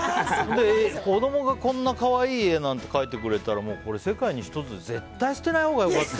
子供がこんな可愛い絵なんて描いてくれたら世界に１つで絶対捨てないほうが良かった。